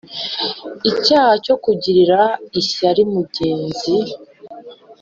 icyaha cyo kugirira ishyari mugenzi